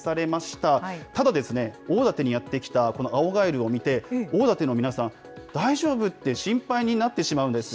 ただ、大館にやって来たこの青ガエルを見て、大舘の皆さん、大丈夫？って心配になってしまうんです。